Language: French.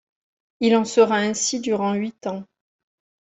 Il en sera ainsi durant huit ans.